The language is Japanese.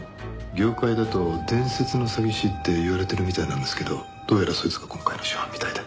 業界だと伝説の詐欺師って言われてるみたいなんですけどどうやらそいつが今回の主犯みたいで。